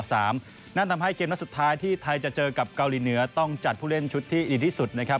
นั่นทำให้เกมนัดสุดท้ายที่ไทยจะเจอกับเกาหลีเหนือต้องจัดผู้เล่นชุดที่ดีที่สุดนะครับ